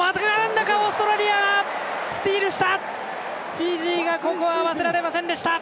フィジー合わせられませんでした！